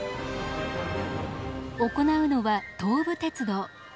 行うのは東武鉄道。